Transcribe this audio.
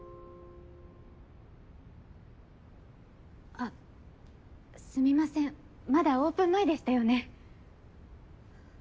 あすみませんまだオープン前でしたよね